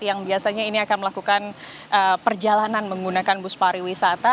yang biasanya ini akan melakukan perjalanan menggunakan bus pariwisata